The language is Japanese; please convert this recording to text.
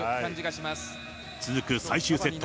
続く最終セット。